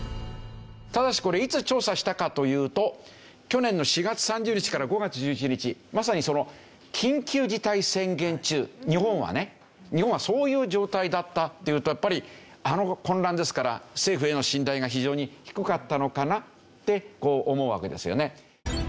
ただしこれいつ調査したかというと去年の４月３０日から５月１１日まさにその緊急事態宣言中日本はね。日本はそういう状態だったっていうとやっぱりあの混乱ですから政府への信頼が非常に低かったのかな？ってこう思うわけですよね。